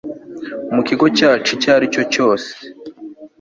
mu kigo cyacu icyo aricyo cyose